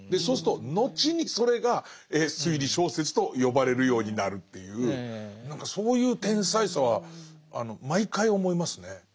そうすると後にそれが推理小説と呼ばれるようになるっていう何かそういう天才さは毎回思いますね。